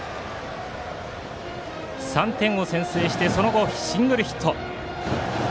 ３点を先制してその後シングルヒット。